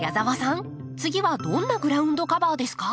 次はどんなグラウンドカバーですか？